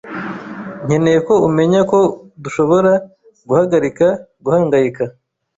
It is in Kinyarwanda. nkeneye ko umenya ko dushobora guhagarika guhangayika.